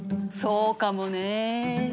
そうかもね。